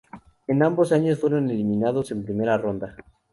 En ambos años, fueron eliminados en primera ronda.